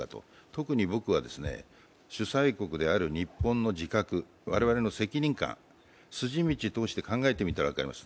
特に僕は主催国である日本の自覚、我々の責任感、筋道通して考えてみたら分かります。